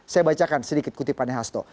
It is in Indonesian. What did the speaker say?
saya bacakan sedikit kutipannya hasto